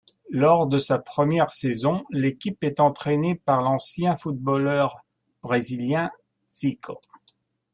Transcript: Lors de sa première saison, l'équipe est entraîné par l'ancien footballeur brésilien Zico.